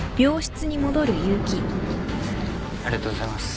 ありがとうございます。